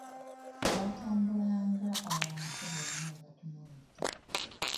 Baatambulanga abantu bonna babatunuulidde.